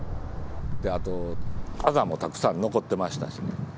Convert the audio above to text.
あと、あざもたくさん残ってましたしね。